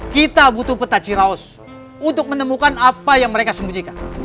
kita butuh peta ciraus untuk menemukan apa yang mereka sembunyikan